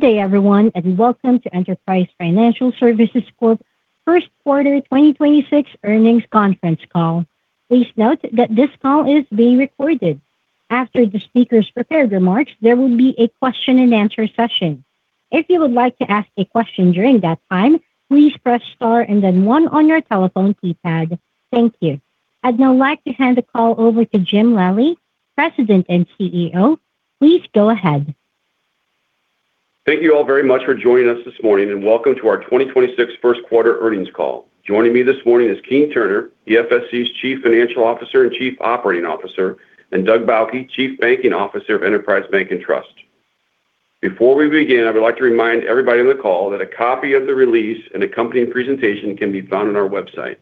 Good day everyone, and welcome to Enterprise Financial Services Corp Q1 2026 Earnings Conference Call. Please note that this call is being recorded. After the speaker's prepared remarks, there will be a question and answer session. If you would like to ask a question during that time, please press star and then one on your telephone keypad. Thank you. I'd now like to hand the call over to Jim Lally, President and CEO. Please go ahead. Thank you all very much for joining us this morning, and welcome to our 2026 Q1 Earnings Call. Joining me this morning is Keene Turner, EFSC's Chief Financial Officer and Chief Operating Officer, and Doug Bauche, Chief Banking Officer of Enterprise Bank & Trust. Before we begin, I would like to remind everybody on the call that a copy of the release and accompanying presentation can be found on our website.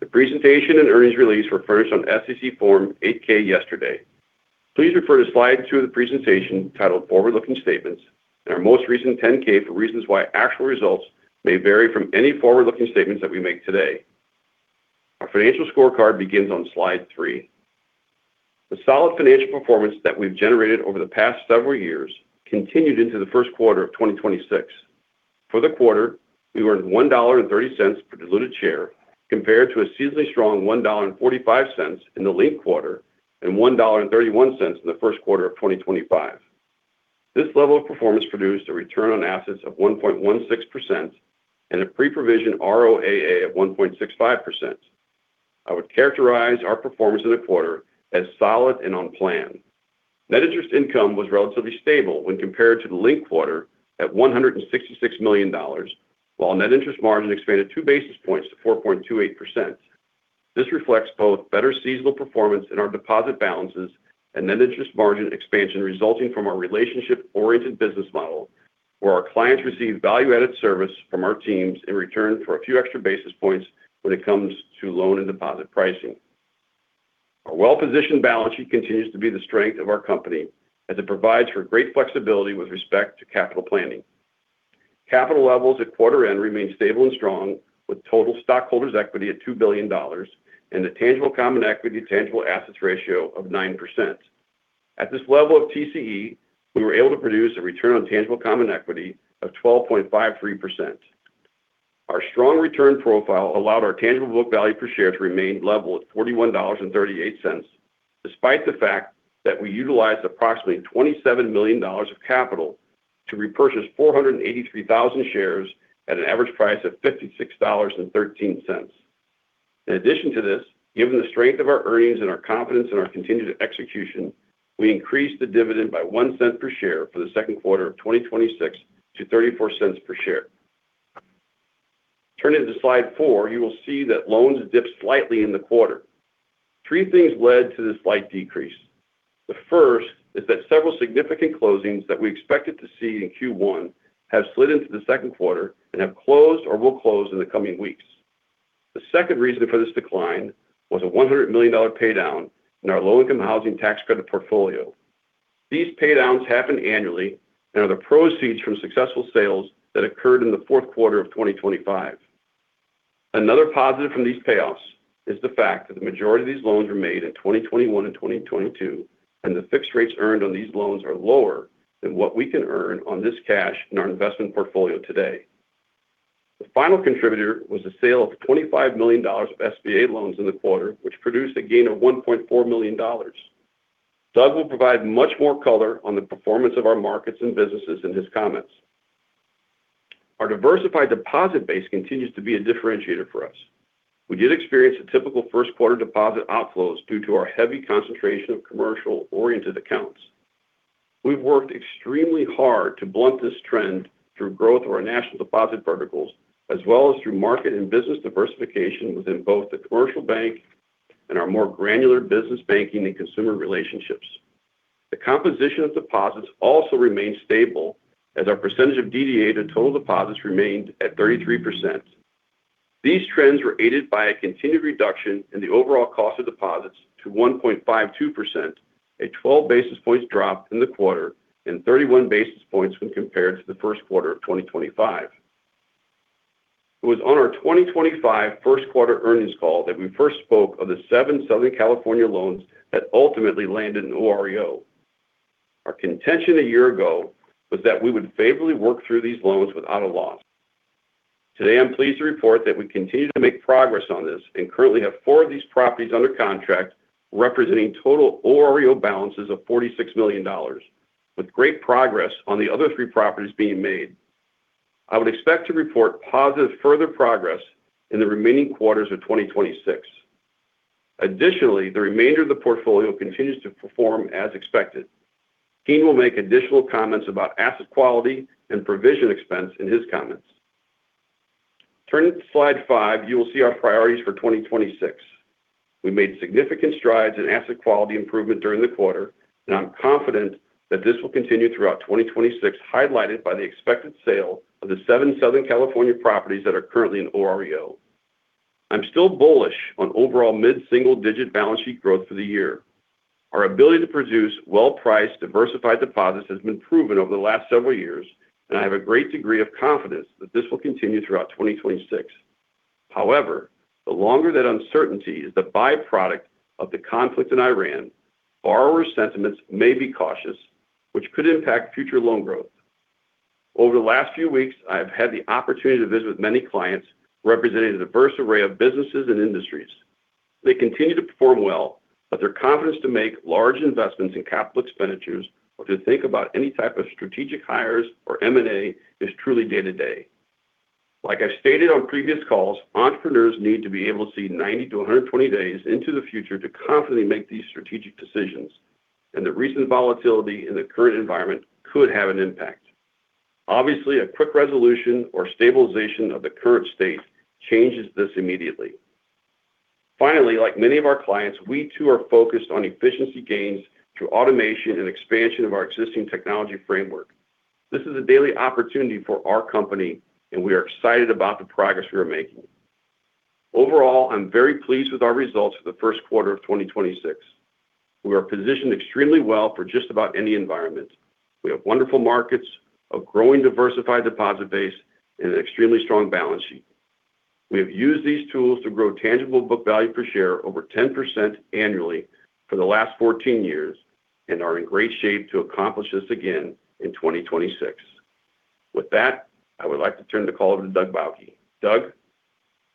The presentation and earnings release were filed on SEC Form 8-K yesterday. Please refer to slide two of the presentation titled Forward-Looking Statements and our most recent 10-K for reasons why actual results may vary from any forward-looking statements that we make today. Our financial scorecard begins on slide three. The solid financial performance that we've generated over the past several years continued into the Q1 of 2026. For the quarter, we earned $1.30 per diluted share compared to a seasonally strong $1.45 in the linked quarter and $1.31 in the Q1 of 2025. This level of performance produced a return on assets of 1.16% and a pre-provision ROAA of 1.65%. I would characterize our performance in the quarter as solid and on plan. Net interest income was relatively stable when compared to the linked quarter at $166 million, while net interest margin expanded two basis points to 4.28%. This reflects both better seasonal performance in our deposit balances and net interest margin expansion resulting from our relationship-oriented business model, where our clients receive value-added service from our teams in return for a few extra basis points when it comes to loan and deposit pricing. Our well-positioned balance sheet continues to be the strength of our company as it provides for great flexibility with respect to capital planning. Capital levels at quarter end remain stable and strong, with total stockholders' equity at $2 billion and a tangible common equity to tangible assets ratio of 9%. At this level of TCE, we were able to produce a return on tangible common equity of 12.53%. Our strong return profile allowed our tangible book value per share to remain level at $41.38, despite the fact that we utilized approximately $27 million of capital to repurchase 483,000 shares at an average price of $56.13. In addition to this, given the strength of our earnings and our confidence in our continued execution, we increased the dividend by $0.01 per share for the Q2 of 2026 to $0.34 per share. Turning to slide four, you will see that loans dipped slightly in the quarter. Three things led to the slight decrease. The first is that several significant closings that we expected to see in Q1 have slid into the Q2 and have closed or will close in the coming weeks. The second reason for this decline was a $100 million paydown in our Low-Income Housing Tax Credit portfolio. These paydowns happen annually and are the proceeds from successful sales that occurred in the Q4 of 2025. Another positive from these payoffs is the fact that the majority of these loans were made in 2021 and 2022, and the fixed rates earned on these loans are lower than what we can earn on this cash in our investment portfolio today. The final contributor was the sale of $25 million of SBA loans in the quarter, which produced a gain of $1.4 million. Doug will provide much more color on the performance of our markets and businesses in his comments. Our diversified deposit base continues to be a differentiator for us. We did experience a typical Q1 deposit outflows due to our heavy concentration of commercial-oriented accounts. We've worked extremely hard to blunt this trend through growth of our national deposit verticals, as well as through market and business diversification within both the commercial bank and our more granular business banking and consumer relationships. The composition of deposits also remained stable as our percentage of DDA to total deposits remained at 33%. These trends were aided by a continued reduction in the overall cost of deposits to 1.52%, a 12 basis points drop in the quarter and 31 basis points when compared to the Q1 of 2025. It was on our 2025 Q1 Earnings Call that we first spoke of the seven Southern California loans that ultimately landed in OREO. Our contention a year ago was that we would favorably work through these loans without a loss. Today, I'm pleased to report that we continue to make progress on this and currently have four of these properties under contract, representing total OREO balances of $46 million, with great progress on the other three properties being made. I would expect to report positive further progress in the remaining quarters of 2026. Additionally, the remainder of the portfolio continues to perform as expected. Keene will make additional comments about asset quality and provision expense in his comments. Turning to slide five, you will see our priorities for 2026. We made significant strides in asset quality improvement during the quarter, and I'm confident that this will continue throughout 2026, highlighted by the expected sale of the seven Southern California properties that are currently in OREO. I'm still bullish on overall mid-single-digit balance sheet growth for the year. Our ability to produce well-priced, diversified deposits has been proven over the last several years, and I have a great degree of confidence that this will continue throughout 2026. However, the longer that uncertainty is the byproduct of the conflict in Iran, borrower sentiments may be cautious, which could impact future loan growth. Over the last few weeks, I've had the opportunity to visit with many clients representing a diverse array of businesses and industries. They continue to perform well, but their confidence to make large investments in capital expenditures or to think about any type of strategic hires or M&A is truly day-to-day. Like I've stated on previous calls, entrepreneurs need to be able to see 90 to 120 days into the future to confidently make these strategic decisions, and the recent volatility in the current environment could have an impact. Obviously, a quick resolution or stabilization of the current state changes this immediately. Finally, like many of our clients, we too are focused on efficiency gains through automation and expansion of our existing technology framework. This is a daily opportunity for our company, and we are excited about the progress we are making. Overall, I'm very pleased with our results for the Q1 of 2026. We are positioned extremely well for just about any environment. We have wonderful markets, a growing diversified deposit base, and an extremely strong balance sheet. We have used these tools to grow tangible book value per share over 10% annually for the last 14 years and are in great shape to accomplish this again in 2026. With that, I would like to turn the call over to Doug Bauche. Doug?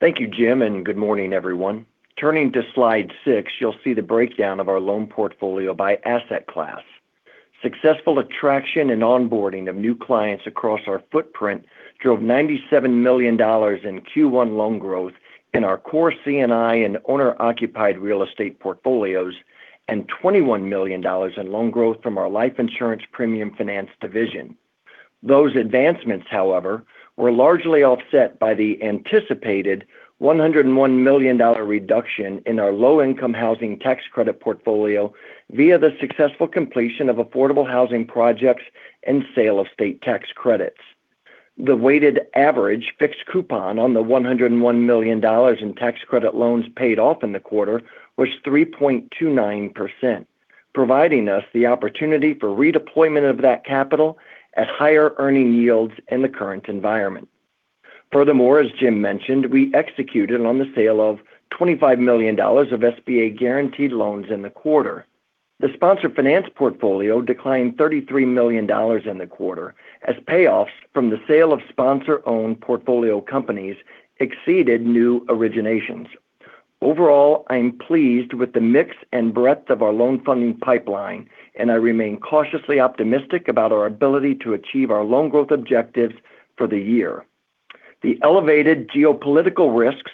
Thank you, Jim, and good morning, everyone. Turning to slide six, you'll see the breakdown of our loan portfolio by asset class. Successful attraction and onboarding of new clients across our footprint drove $97 million in Q1 loan growth in our core C&I and owner-occupied real estate portfolios and $21 million in loan growth from our life insurance premium finance division. Those advancements, however, were largely offset by the anticipated $101 million reduction in our Low-Income Housing Tax Credit portfolio via the successful completion of affordable housing projects and sale of state tax credits. The weighted average fixed coupon on the $101 million in tax credit loans paid off in the quarter was 3.29%, providing us the opportunity for redeployment of that capital at higher earning yields in the current environment. Furthermore, as Jim mentioned, we executed on the sale of $25 million of SBA guaranteed loans in the quarter. The sponsor finance portfolio declined $33 million in the quarter as payoffs from the sale of sponsor-owned portfolio companies exceeded new originations. Overall, I'm pleased with the mix and breadth of our loan funding pipeline, and I remain cautiously optimistic about our ability to achieve our loan growth objectives for the year. The elevated geopolitical risks,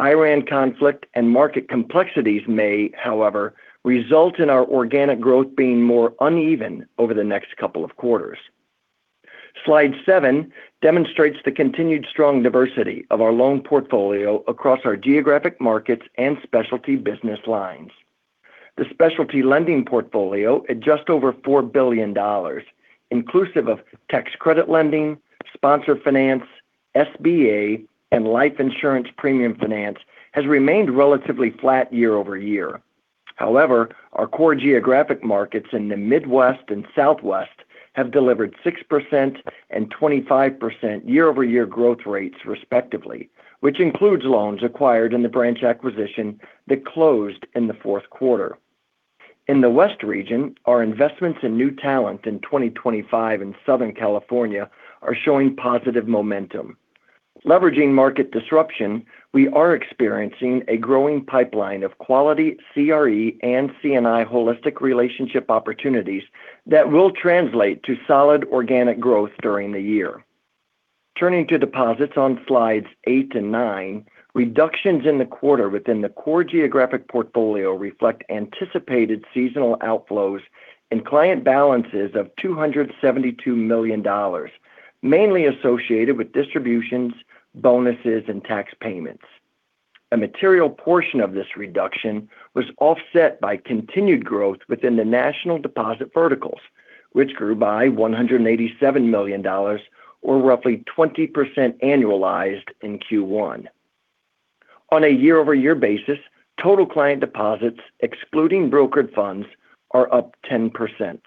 Iran conflict, and market complexities may, however, result in our organic growth being more uneven over the next couple of quarters. Slide seven demonstrates the continued strong diversity of our loan portfolio across our geographic markets and specialty business lines. The specialty lending portfolio at just over $4 billion, inclusive of Tax Credit Lending, Sponsor Finance, SBA, and Life Insurance Premium Finance, has remained relatively flat year-over-year. However, our core geographic markets in the Midwest and Southwest have delivered 6% and 25% year-over-year growth rates respectively, which includes loans acquired in the branch acquisition that closed in the Q4. In the West region, our investments in new talent in 2025 in Southern California are showing positive momentum. Leveraging market disruption, we are experiencing a growing pipeline of quality CRE and C&I holistic relationship opportunities that will translate to solid organic growth during the year. Turning to deposits on slides eight and nine, reductions in the quarter within the core geographic portfolio reflect anticipated seasonal outflows and client balances of $272 million, mainly associated with distributions, bonuses, and tax payments. A material portion of this reduction was offset by continued growth within the national deposit verticals, which grew by $187 million or roughly 20% annualized in Q1. On a year-over-year basis, total client deposits excluding brokered funds are up 10%.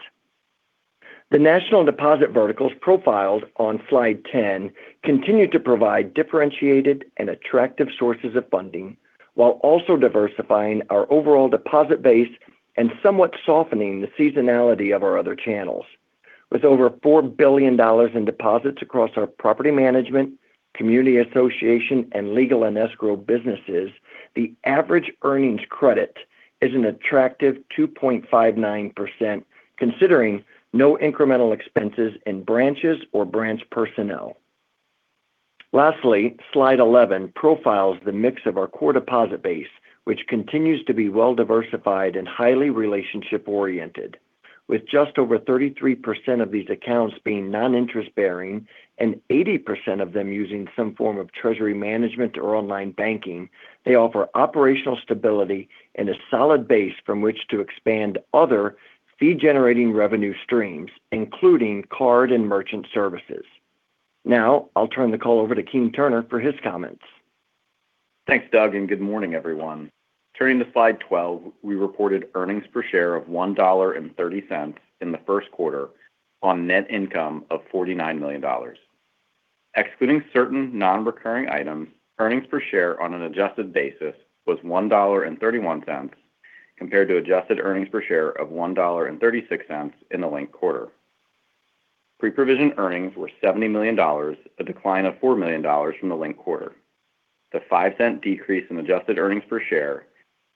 The national deposit verticals profiled on slide 10 continue to provide differentiated and attractive sources of funding while also diversifying our overall deposit base and somewhat softening the seasonality of our other channels. With over $4 billion in deposits across our property management, community association, and legal and escrow businesses, the average earnings credit is an attractive 2.59% considering no incremental expenses in branches or branch personnel. Lastly, slide 11 profiles the mix of our core deposit base, which continues to be well diversified and highly relationship oriented. With just over 33% of these accounts being non-interest bearing and 80% of them using some form of treasury management or online banking, they offer operational stability and a solid base from which to expand other fee-generating revenue streams, including card and merchant services. Now, I'll turn the call over to Keene Turner for his comments. Thanks, Doug, and good morning, everyone. Turning to slide 12, we reported earnings per share of $1.30 in the Q1 on net income of $49 million. Excluding certain non-recurring items, earnings per share on an adjusted basis was $1.31 compared to adjusted earnings per share of $1.36 in the linked quarter. Pre-provision earnings were $70 million, a decline of $4 million from the linked quarter. The $0.05 decrease in adjusted earnings per share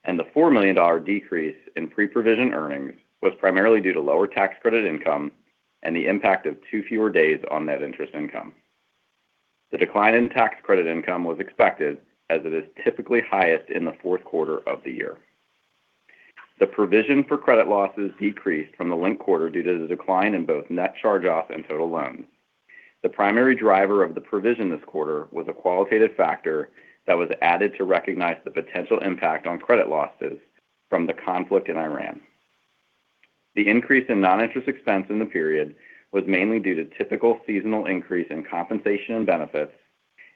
and the $4 million decrease in pre-provision earnings was primarily due to lower tax credit income and the impact of two fewer days on net interest income. The decline in tax credit income was expected as it is typically highest in the Q4 of the year. The provision for credit losses decreased from the linked quarter due to the decline in both net charge-off and total loans. The primary driver of the provision this quarter was a qualitative factor that was added to recognize the potential impact on credit losses from the conflict in Iran. The increase in noninterest expense in the period was mainly due to typical seasonal increase in compensation and benefits,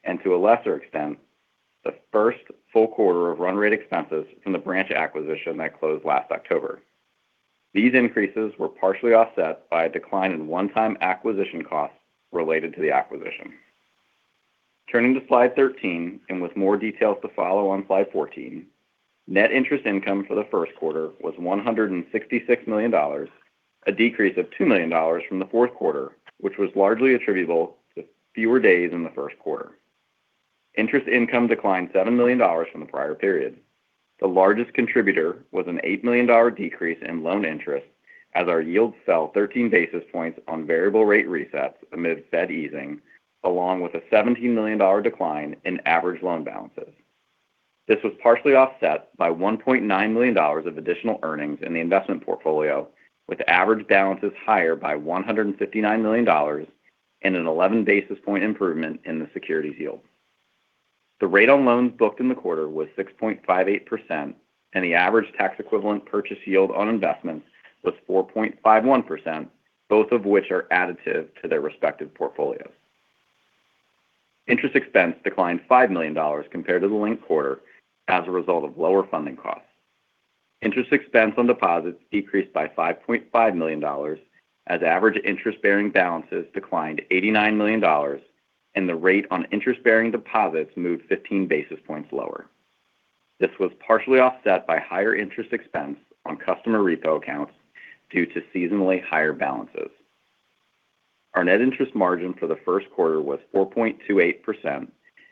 and to a lesser extent, the first full quarter of run-rate expenses from the branch acquisition that closed last October. These increases were partially offset by a decline in one-time acquisition costs related to the acquisition. Turning to slide 13, and with more details to follow on slide 14, net interest income for the Q1 was $166 million, a decrease of $2 million from the Q4, which was largely attributable to fewer days in the Q1. Interest income declined $7 million from the prior period. The largest contributor was an $8 million decrease in loan interest as our yield fell 13 basis points on variable rate resets amid Fed easing, along with a $17 million decline in average loan balances. This was partially offset by $1.9 million of additional earnings in the investment portfolio, with average balances higher by $159 million and an 11 basis point improvement in the securities yield. The rate on loans booked in the quarter was 6.58%, and the average tax equivalent purchase yield on investments was 4.51%, both of which are additive to their respective portfolios. Interest expense declined $5 million compared to the linked quarter as a result of lower funding costs. Interest expense on deposits decreased by $5.5 million as average interest-bearing balances declined $89 million, and the rate on interest-bearing deposits moved 15 basis points lower. This was partially offset by higher interest expense on customer repo accounts due to seasonally higher balances. Our net interest margin for the Q1 was 4.28%,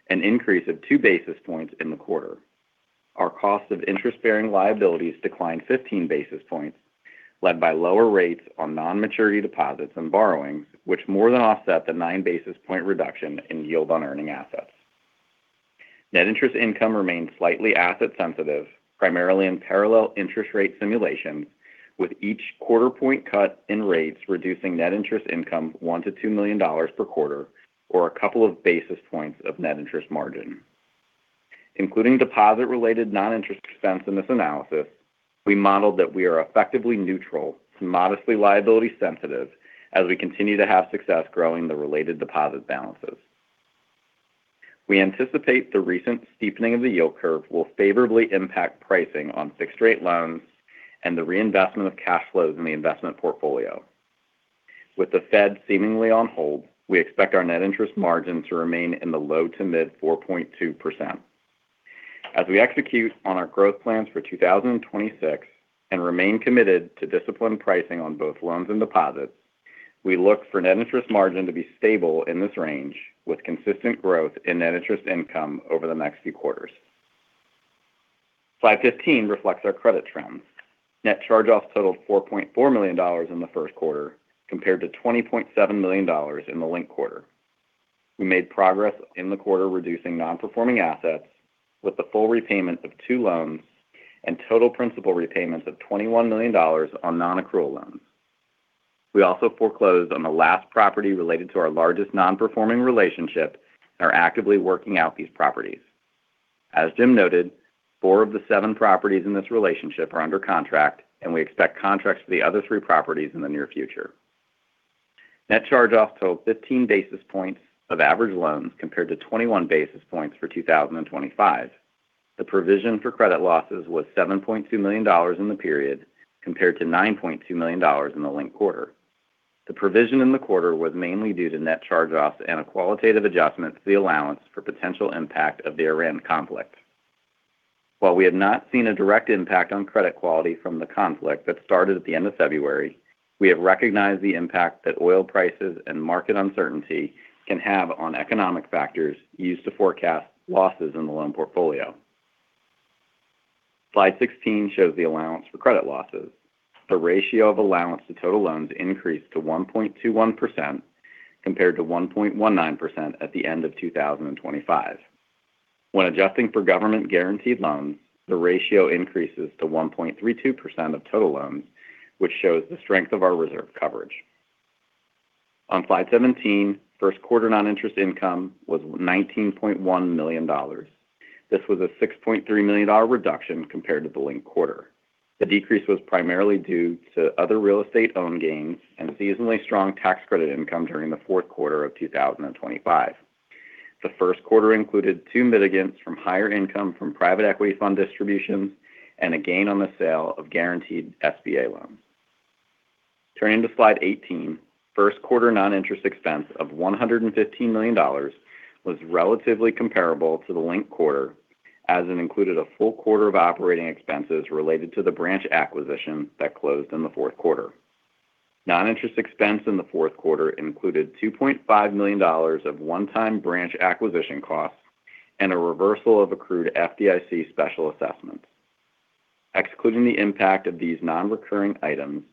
an increase of two basis points in the quarter. Our cost of interest-bearing liabilities declined 15 basis points, led by lower rates on non-maturity deposits and borrowings, which more than offset the nine basis point reduction in yield on earning assets. Net interest income remained slightly asset sensitive, primarily in parallel interest rate simulation, with each quarter point cut in rates reducing net interest income $1 million-$2 million per quarter or a couple of basis points of net interest margin. Including deposit-related non-interest expense in this analysis, we modeled that we are effectively neutral to modestly liability sensitive as we continue to have success growing the related deposit balances. We anticipate the recent steepening of the yield curve will favorably impact pricing on fixed-rate loans and the reinvestment of cash flows in the investment portfolio. With the Fed seemingly on hold, we expect our net interest margin to remain in the low to mid 4.2%. As we execute on our growth plans for 2026 and remain committed to disciplined pricing on both loans and deposits, we look for net interest margin to be stable in this range with consistent growth in net interest income over the next few quarters. Slide 15 reflects our credit trends. Net charge-offs totaled $4.4 million in the Q1, compared to $20.7 million in the linked quarter. We made progress in the quarter reducing non-performing assets with the full repayment of two loans and total principal repayments of $21 million on non-accrual loans. We also foreclosed on the last property related to our largest non-performing relationship and are actively working out these properties. As Jim noted, four of the seven properties in this relationship are under contract, and we expect contracts for the other three properties in the near future. Net charge-offs totaled 15 basis points of average loans compared to 21 basis points for 2025. The provision for credit losses was $7.2 million in the period compared to $9.2 million in the linked quarter. The provision in the quarter was mainly due to net charge-offs and a qualitative adjustment to the allowance for potential impact of the Iran conflict. While we have not seen a direct impact on credit quality from the conflict that started at the end of February, we have recognized the impact that oil prices and market uncertainty can have on economic factors used to forecast losses in the loan portfolio. Slide 16 shows the allowance for credit losses. The ratio of allowance to total loans increased to 1.21%, compared to 1.19% at the end of 2025. When adjusting for government-guaranteed loans, the ratio increases to 1.32% of total loans, which shows the strength of our reserve coverage. On slide 17, Q1 non-interest income was $19.1 million. This was a $6.3 million reduction compared to the linked quarter. The decrease was primarily due to other real estate owned gains and seasonally strong tax credit income during the Q4 of 2025. The Q1 included two mitigants from higher income from private equity fund distributions and a gain on the sale of guaranteed SBA loans. Turning to slide 18, Q1 non-interest expense of $115 million was relatively comparable to the linked quarter, as it included a full quarter of operating expenses related to the branch acquisition that closed in the Q4. Non-interest expense in the Q4 included $2.5 million of one-time branch acquisition costs and a reversal of accrued FDIC special assessments. Excluding the impact of these non-recurring items,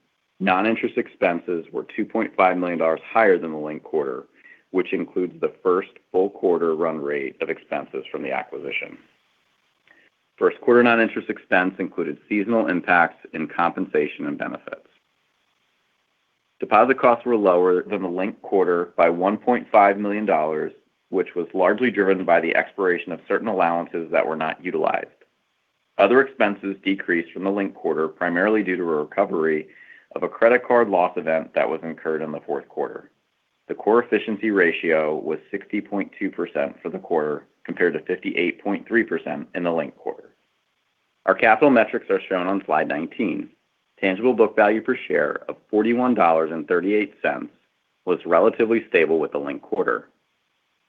non-interest expenses were $2.5 million higher than the linked quarter, which includes the first full quarter run rate of expenses from the acquisition. Q1 non-interest expense included seasonal impacts in compensation and benefits. Deposit costs were lower than the linked quarter by $1.5 million, which was largely driven by the expiration of certain allowances that were not utilized. Other expenses decreased from the linked quarter, primarily due to a recovery of a credit card loss event that was incurred in the Q4. The core efficiency ratio was 60.2% for the quarter, compared to 58.3% in the linked quarter. Our capital metrics are shown on slide 19. Tangible book value per share of $41.38 was relatively stable with the linked quarter.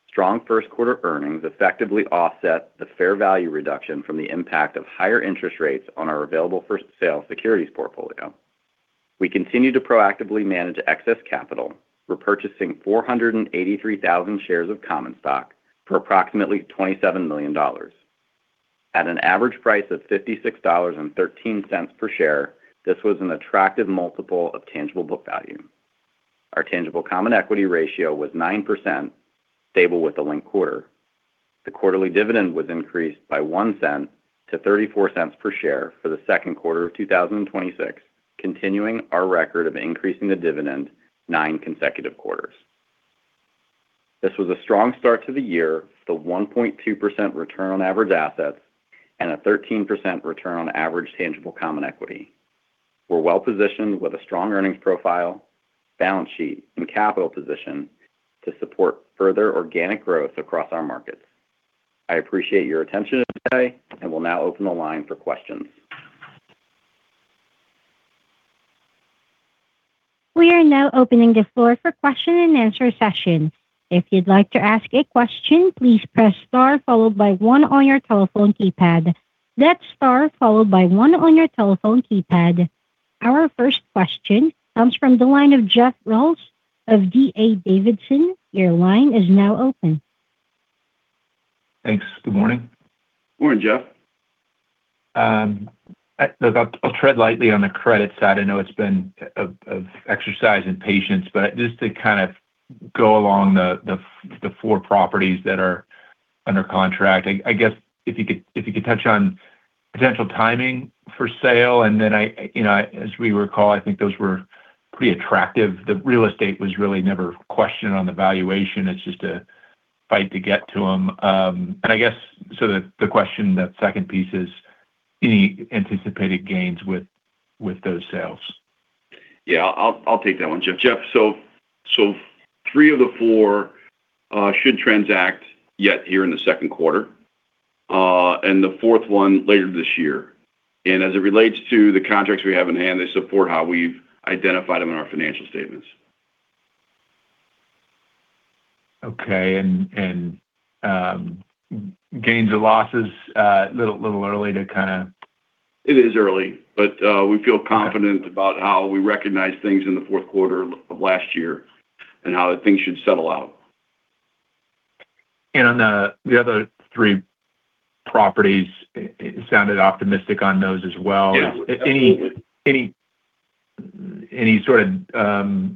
Strong Q1 earnings effectively offset the fair value reduction from the impact of higher interest rates on our available-for-sale securities portfolio. We continue to proactively manage excess capital, repurchasing 483,000 shares of common stock for approximately $27 million. At an average price of $56.13 per share, this was an attractive multiple of tangible book value. Our tangible common equity ratio was 9%, stable with the linked quarter. The quarterly dividend was increased by $0.01 to $0.34 per share for the Q2 of 2026, continuing our record of increasing the dividend nine consecutive quarters. This was a strong start to the year with a 1.2% return on average assets and a 13% return on average tangible common equity. We're well-positioned with a strong earnings profile, balance sheet, and capital position to support further organic growth across our markets. I appreciate your attention today and will now open the line for questions. We are now opening the floor for question and answer session. If you'd like to ask a question, please press star followed by one on your telephone keypad. That's star followed by one on your telephone keypad. Our first question comes from the line of Jeff Rulis of D.A. Davidson. Your line is now open. Thanks. Good morning. Morning, Jeff. Look, I'll tread lightly on the credit side. I know it's been an exercise in patience, but just to kind of go over the four properties that are under contract. I guess if you could touch on potential timing for sale and then, as we recall, I think those were pretty attractive. The real estate was really never questioned on the valuation. It's just a fight to get to them. I guess, so the question, the second piece is any anticipated gains with those sales? Yeah. I'll take that one, Jeff. Jeff, so three of the four should transact yet here in the Q2, and the fourth one later this year. As it relates to the contracts we have in hand, they support how we've identified them in our financial statements. Okay. Gains or losses, a little early to kind of It is early, but we feel confident about how we recognize things in the Q4 of last year and how things should settle out. On the other three properties, sounded optimistic on those as well. Yes. Absolutely. Any sort of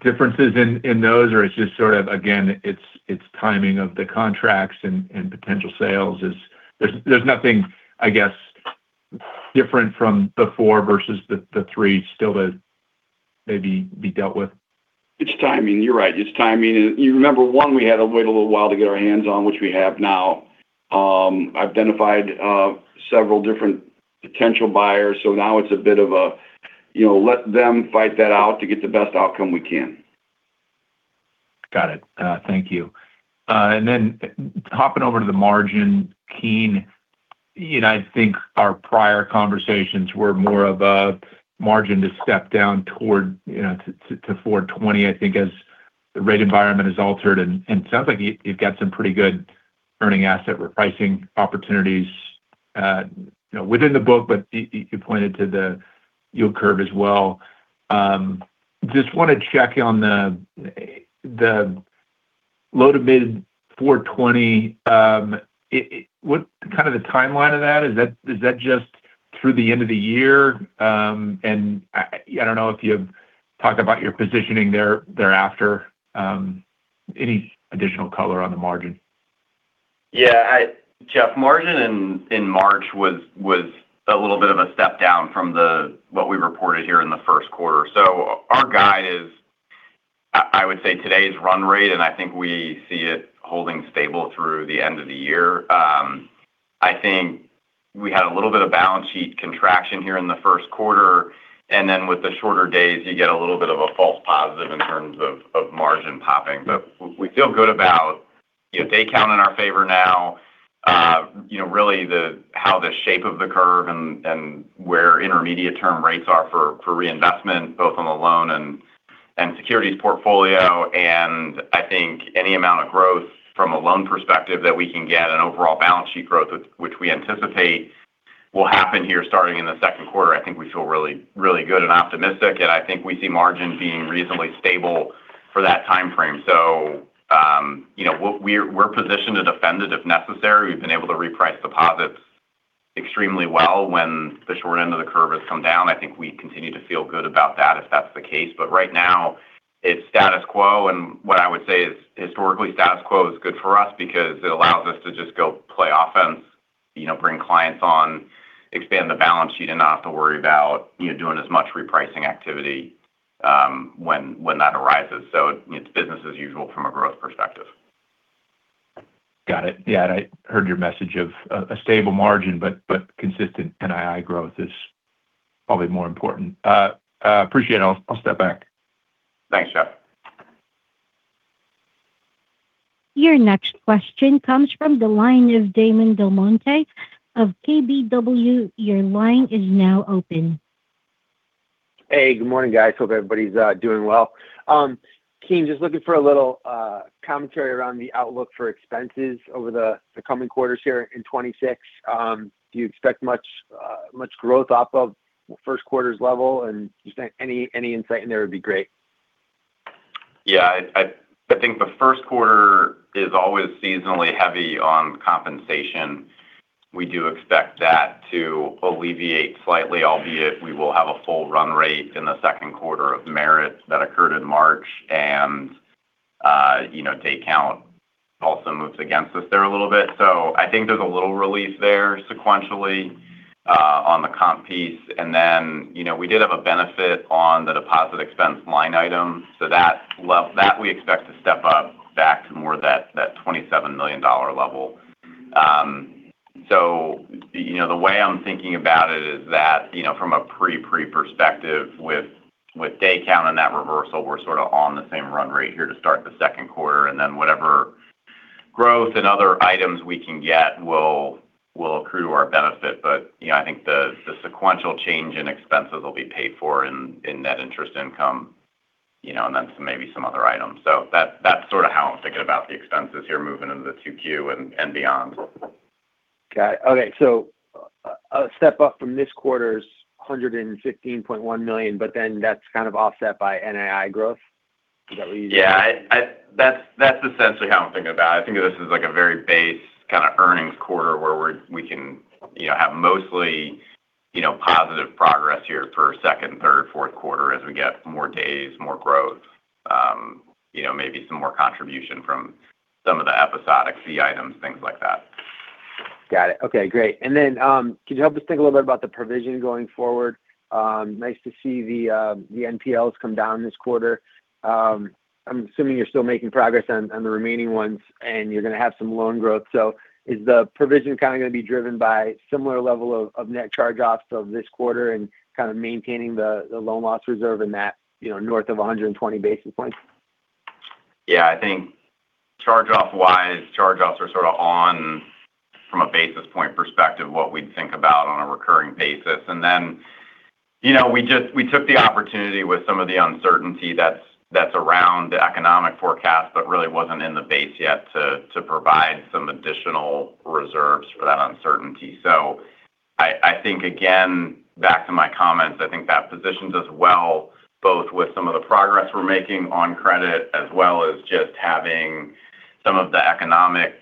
differences in those or it's just, again, it's timing of the contracts and potential sales? There's nothing, I guess, different from the four versus the three still to maybe be dealt with? It's timing. You're right. It's timing. You remember one we had to wait a little while to get our hands on, which we have now. Identified several different potential buyers, so now it's a bit of a let them fight it out to get the best outcome we can. Got it. Thank you. Then hopping over to the margin, Keene, I think our prior conversations were more of a margin to step down toward to 4.20%, I think, as the rate environment has altered. It sounds like you've got some pretty good earning asset repricing opportunities within the book, but you pointed to the yield curve as well. Just want to check on the low-to-mid 4.20%. What's the timeline of that? Is that just through the end of the year? I don't know if you've talked about your positioning thereafter. Any additional color on the margin? Yeah. Jeff, margin in March was a little bit of a step down from what we reported here in the Q1. Our guide is, I would say, today's run rate, and I think we see it holding stable through the end of the year. I think we had a little bit of balance sheet contraction here in the Q1, and then with the shorter days, you get a little bit of a false positive in terms of margin popping. We feel good about day count in our favor now, really how the shape of the curve and where intermediate term rates are for reinvestment, both on the loan and securities portfolio. I think any amount of growth from a loan perspective that we can get an overall balance sheet growth, which we anticipate will happen here starting in the Q2. I think we feel really good and optimistic, and I think we see margin being reasonably stable for that time frame. We're positioned to defend it if necessary. We've been able to reprice deposits extremely well when the short end of the curve has come down. I think we continue to feel good about that if that's the case. Right now it's status quo, and what I would say is historically, status quo is good for us because it allows us to just go play offense, bring clients on, expand the balance sheet, and not have to worry about doing as much repricing activity when that arises. It's business as usual from a growth perspective. Got it. Yeah. I heard your message of a stable margin, but consistent NII growth is probably more important. Appreciate it. I'll step back. Thanks, Jeff. Your next question comes from the line of Damon DelMonte of KBW. Your line is now open. Hey, good morning, guys. Hope everybody's doing well. Keene, just looking for a little commentary around the outlook for expenses over the coming quarters here in 2026. Do you expect much growth off of Q1's level? Just any insight in there would be great. Yeah. I think the Q1 is always seasonally heavy on compensation. We do expect that to alleviate slightly, albeit we will have a full run rate in the Q2 of merits that occurred in March. Day count also moves against us there a little bit. I think there's a little relief there sequentially on the comp piece. Then, we did have a benefit on the deposit expense line item that we expect to step up back to more that $27 million level. The way I'm thinking about it is that, from a pre-pre perspective with day count and that reversal, we're sort of on the same run rate here to start the Q2. Whatever growth and other items we can get will accrue to our benefit. I think the sequential change in expenses will be paid for in net interest income, and then maybe some other items. That's how I'm thinking about the expenses here moving into the 2Q and beyond. Got it. Okay. A step up from this quarter's $115.1 million, but then that's kind of offset by NII growth? Yeah. That's essentially how I'm thinking about it. I think of this as like a very base kind of earnings quarter where we can have mostly positive progress here for second, third, Q4 as we get more days, more growth. Maybe some more contribution from some of the episodic fee items, things like that. Got it. Okay, great. Could you help us think a little bit about the provision going forward? Nice to see the NPLs come down this quarter. I'm assuming you're still making progress on the remaining ones and you're going to have some loan growth. Is the provision kind of going to be driven by similar level of net charge-offs of this quarter and kind of maintaining the loan loss reserve in that north of 120 basis points? Yeah, I think charge-off wise, charge-offs are sort of on par from a basis point perspective, what we'd think about on a recurring basis. We took the opportunity with some of the uncertainty that's around the economic forecast, but really wasn't in the base yet to provide some additional reserves for that uncertainty. I think, again, back to my comments, I think that positions us well, both with some of the progress we're making on credit, as well as just having some of the economic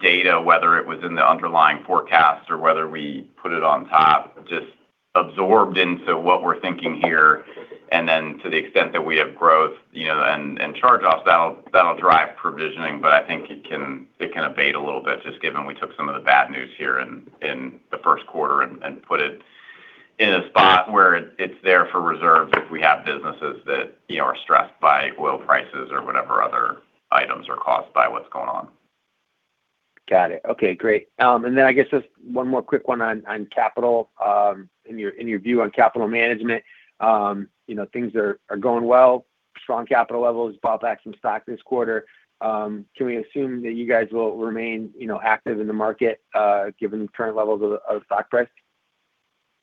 data, whether it was in the underlying forecast or whether we put it on top, just absorbed into what we're thinking here. To the extent that we have growth and charge-offs, that'll drive provisioning. I think it can abate a little bit just given we took some of the bad news here in the Q1 and put it in a spot where it's there for reserves if we have businesses that are stressed by oil prices or whatever other items are caused by what's going on. Got it. Okay, great. I guess just one more quick one on capital. In your view on capital management, things are going well. Strong capital levels. Bought back some stock this quarter. Can we assume that you guys will remain active in the market given the current levels of stock price?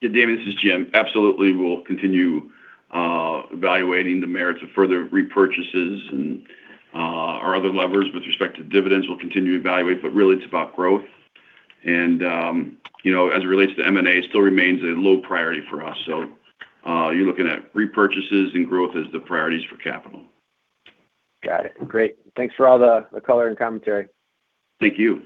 Yeah, Damon, this is Jim. Absolutely, we'll continue evaluating the merits of further repurchases and our other levers with respect to dividends. We'll continue to evaluate, but really it's about growth. As it relates to M&A, still remains a low priority for us. You're looking at repurchases and growth as the priorities for capital. Got it. Great. Thanks for all the color and commentary. Thank you.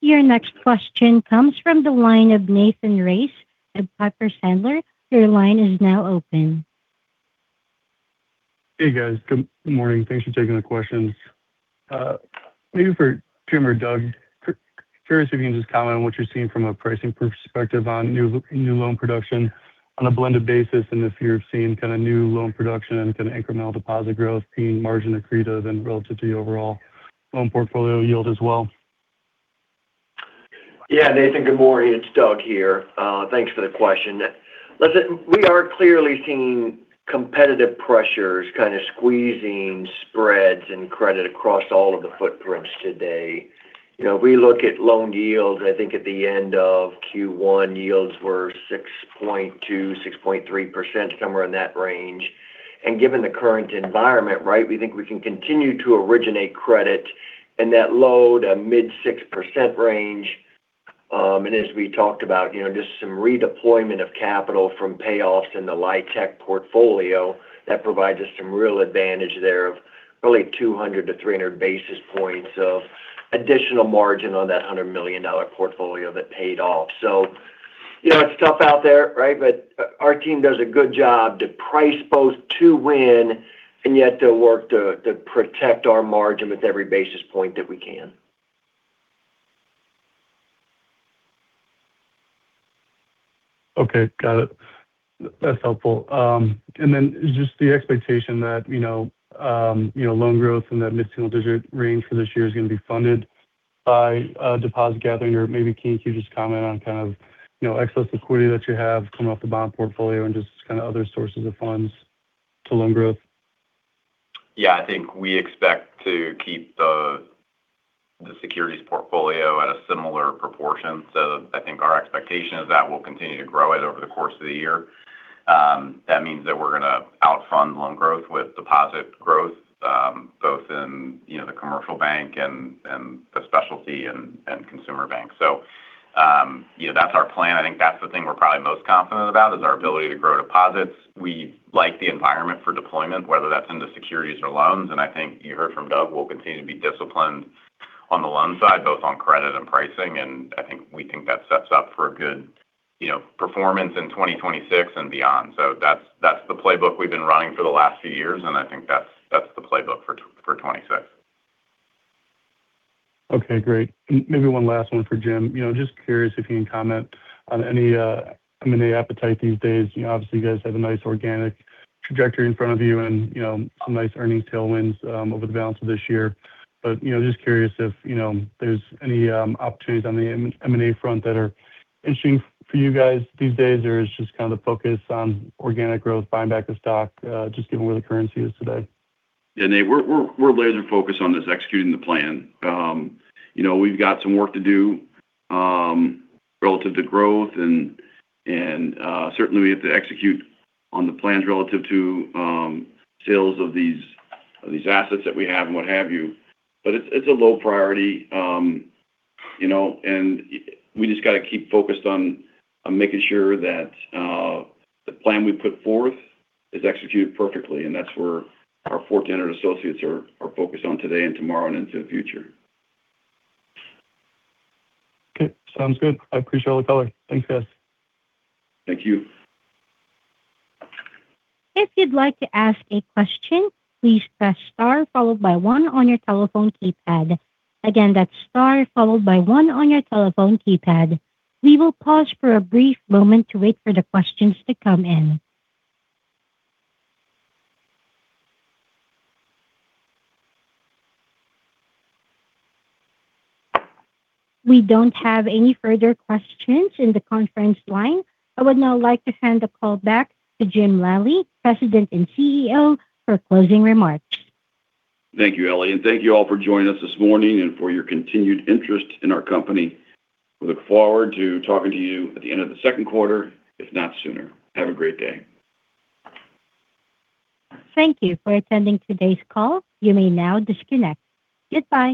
Your next question comes from the line of Nathan Race at Piper Sandler. Your line is now open. Hey, guys. Good morning. Thanks for taking the questions. Maybe for Jim or Doug, I'm curious if you can just comment on what you're seeing from a pricing perspective on new loan production. On a blended basis and if you're seeing new loan production and incremental deposit growth being margin accretive and relative to the overall loan portfolio yield as well? Yeah, Nathan, good morning. It's Doug here. Thanks for the question. Listen, we are clearly seeing competitive pressures kind of squeezing spreads and credit across all of the footprints today. We look at loan yields, I think at the end of Q1, yields were 6.2%-6.3%, somewhere in that range. Given the current environment, we think we can continue to originate credit in that low- to mid 6% range. As we talked about, just some redeployment of capital from payoffs in the LIHTC portfolio. That provides us some real advantage there of really 200-300 basis points of additional margin on that $100 million portfolio that paid off. It's tough out there. Our team does a good job to price both to win and yet to work to protect our margin with every basis point that we can. Okay. Got it. That's helpful. Just the expectation that loan growth in that mid-single digit range for this year is going to be funded by deposit gathering, or maybe, Keene, you just comment on excess liquidity that you have coming off the bond portfolio and just other sources of funds to loan growth. Yeah, I think we expect to keep the securities portfolio at a similar proportion. I think our expectation is that we'll continue to grow it over the course of the year. That means that we're going to out fund loan growth with deposit growth, both in the commercial bank and the specialty and consumer bank. That's our plan. I think that's the thing we're probably most confident about is our ability to grow deposits. We like the environment for deployment, whether that's into securities or loans. I think you heard from Doug, we'll continue to be disciplined on the loan side, both on credit and pricing. I think we think that sets up for a good performance in 2026 and beyond. That's the playbook we've been running for the last few years, and I think that's the playbook for 2026. Okay, great. Maybe one last one for Jim. Just curious if you can comment on any M&A appetite these days. Obviously, you guys have a nice organic trajectory in front of you and a nice earnings tailwinds over the balance of this year. Just curious if there's any opportunities on the M&A front that are interesting for you guys these days, or is just kind of the focus on organic growth, buying back the stock, just given where the currency is today? Yeah, Nate, we're laser focused on just executing the plan. We've got some work to do relative to growth and certainly we have to execute on the plans relative to sales of these assets that we have and what have you. It's a low priority. We just got to keep focused on making sure that the plan we put forth is executed perfectly, and that's where our 4,000 associates are focused on today and tomorrow and into the future. Okay, sounds good. I appreciate all the color. Thanks, guys. Thank you. We will pause for a brief moment to wait for the questions to come in. We don't have any further questions in the conference line. I would now like to hand the call back to Jim Lally, President and CEO, for closing remarks. Thank you, Ellie, and thank you all for joining us this morning and for your continued interest in our company. We look forward to talking to you at the end of the Q2, if not sooner. Have a great day. Thank you for attending today's call. You may now disconnect. Goodbye.